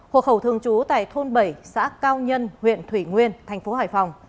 hộ khẩu thường trú tại thôn bảy xã cao nhân huyện thủy nguyên thành phố hải phòng